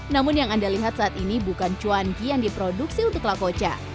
namun yang anda lihat saat ini bukan cuanki yang diproduksi untuk lakocha